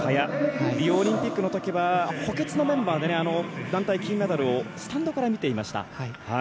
リオオリンピックのときは補欠のメンバーで団体金メダルをスタンドから見ていました。